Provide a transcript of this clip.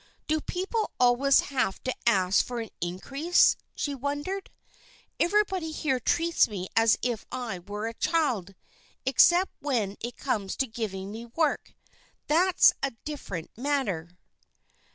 "Do people always have to ask for an increase?" she wondered. "Everybody here treats me as if I were a child, except when it comes to giving me work. That's a different matter."